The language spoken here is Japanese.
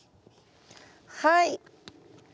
はい。